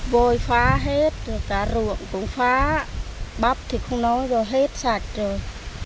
voi phá hết cả ruộng cũng phá bắp thì không nói rồi hết sạch rồi